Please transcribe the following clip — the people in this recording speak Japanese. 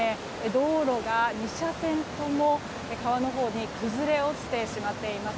道路が２車線とも川のほうに崩れ落ちてしまっています。